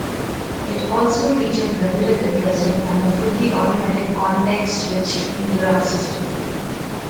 It also featured relative addressing, and a fully automatic context switched interrupt system.